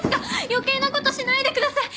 余計な事しないでください。